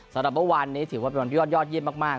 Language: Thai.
สำหรับวันนี้ถือว่าเป็นวันยอดเยี่ยมมาก